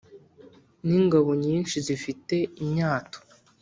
n’ingabo nyinshi zifite imyato